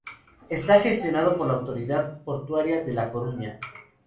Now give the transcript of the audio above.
Está gestionado por la autoridad portuaria de La Coruña.